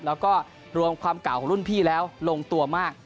แล้วก็รวมความเก่าของรุ่นพี่แล้วลงตัวมาก